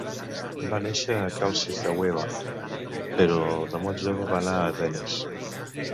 Va néixer a Calcis a Eubea, però de molt jove va anar a Atenes.